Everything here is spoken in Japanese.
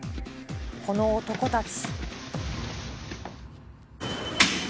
この男たち。